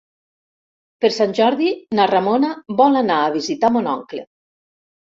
Per Sant Jordi na Ramona vol anar a visitar mon oncle.